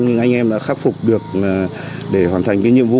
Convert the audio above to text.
nhưng anh em đã khắc phục được để hoàn thành cái nhiệm vụ